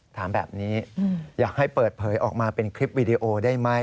ถามแบบนี้อยากให้เปิดเผยออกมาเป็นคลิปวีดีโอได้ไหม